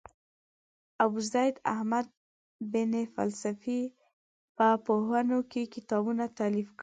ابوزید احمد بن فلسفي په پوهنو کې کتابونه تالیف کړل.